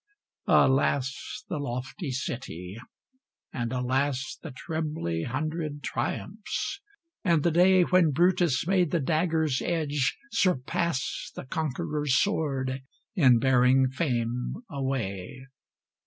Alas, the lofty city! and alas, The trebly hundred triumphs! and the day When Brutus made the dagger's edge surpass The conqueror's sword in bearing fame away!